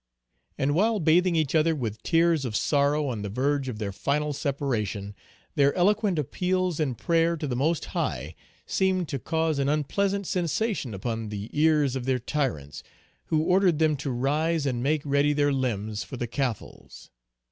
And while bathing each other with tears of sorrow on the verge of their final separation, their eloquent appeals in prayer to the Most High seemed to cause an unpleasant sensation upon the ears of their tyrants, who ordered them to rise and make ready their limbs for the caffles.